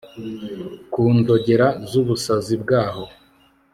ku nzogera zubusazi bwaho